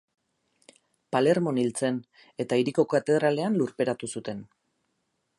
Palermon hil zen, eta hiriko katedralean lurperatu zuten.